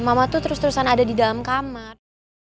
mama tuh terus terusan ada di dalam kamar